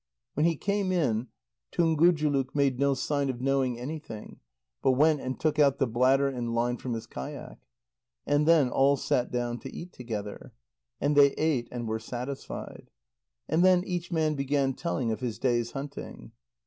When he came in, Tungujuluk made no sign of knowing anything, but went and took out the bladder and line from his kayak. And then all sat down to eat together. And they ate and were satisfied. And then each man began telling of his day's hunting.